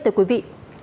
từ quý vị